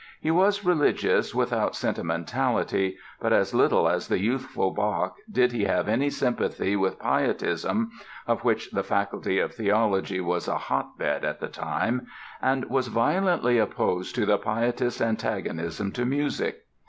He was religious without sentimentality but as little as the youthful Bach did he have any sympathy with Pietism (of which the Faculty of Theology was a hot bed at the time) and was violently opposed to the Pietist antagonism to music.